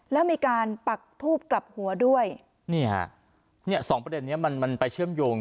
แล้วมีการปักทูบกลับหัวด้วยนี่ฮะเนี่ยสองประเด็นนี้มันมันไปเชื่อมโยง